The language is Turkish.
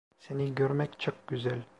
Seni görmek çok güzel.